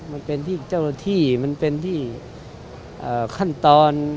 มันเป็นที่เจ้าหน้าที่มันเป็นที่ขั้นตอน